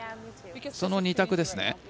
その２択ですね？